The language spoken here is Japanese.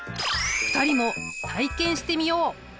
２人も体験してみよう。